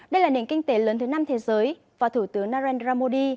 đây là nền kinh tế lớn thứ năm thế giới và thủ tướng narendra modi